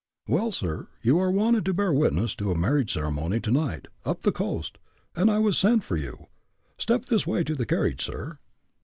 "Well, sir, you are wanted to bear witness to a marriage ceremony, to night, up the coast, and I was sent for you. Step this way, to the carriage, sir."